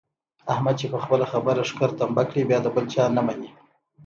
احمد چې په خپله خبره ښکر تمبه کړي بیا د بل چا نه مني.